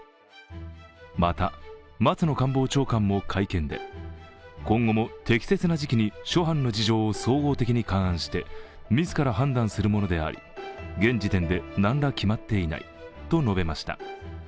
また松野官房長官も会見で、今後も適切な時期に諸般の事情を総合的に勘案して自ら判断するものであり現時点で何ら決まっていないと述べました。